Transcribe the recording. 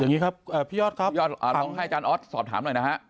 อย่างงี้ครับเอ่อพี่ยอดครับยอดอ่าลองให้จานอธสอบถามหน่อยนะฮะ